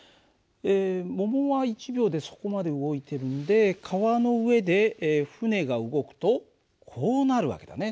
桃は１秒でそこまで動いてるんで川の上で船が動くとこうなる訳だね。